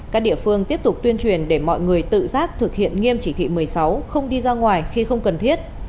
các địa phương tiếp tục tuyên truyền để mọi người tự giác thực hiện nghiêm chỉ thị một mươi sáu không đi ra ngoài khi không cần thiết